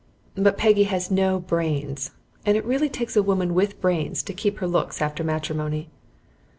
But Peggy has no brains, and it really takes a woman with brains to keep her looks after matrimony.